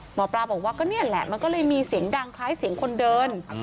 หมอปลาบอกว่าก็นี่แหละมันก็เลยมีเสียงดังคล้ายเสียงคนเดิน